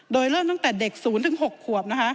โดยเริ่มตั้งแต่เด็ก๐๖ขวบ